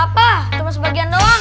apa cuma sebagian doang